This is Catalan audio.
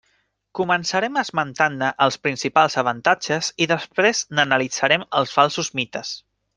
Començarem esmentant-ne els principals avantatges i després n'analitzarem els falsos mites.